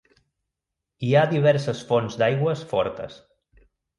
Hi ha diverses fonts d'aigües fortes.